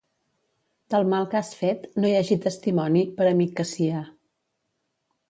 Del mal que has fet, no hi hagi testimoni, per amic que sia.